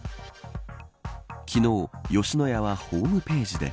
昨日、吉野家はホームページで。